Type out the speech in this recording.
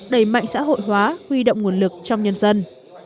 đẩy mạnh xã hội hóa huy động nguồn lực trong nhân dân